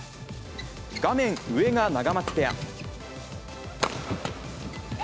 画面上がナガマツペア。